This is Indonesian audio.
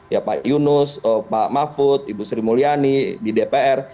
ya pak yunus pak mahfud ibu sri mulyani di dpr